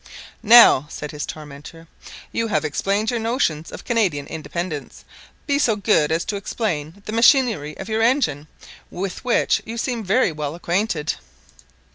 "Now," said his tormentor, "you have explained your notions of Canadian independence; be so good as to explain the machinery of your engine, with which you seem very well acquainted."